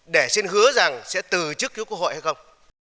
để xin hứa rằng sẽ từ chức cứu quốc hội hay không